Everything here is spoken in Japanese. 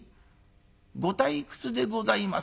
ご退屈でございます？